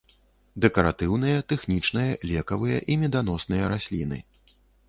Дэкаратыўныя, тэхнічныя, лекавыя і меданосныя расліны.